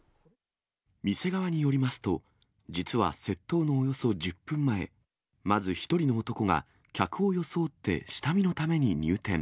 店側によりますと、実は窃盗のおよそ１０分前、まず１人の男が客を装って下見のために入店。